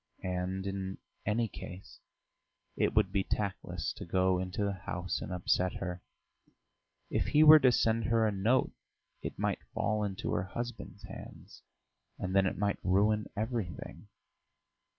And in any case it would be tactless to go into the house and upset her. If he were to send her a note it might fall into her husband's hands, and then it might ruin everything.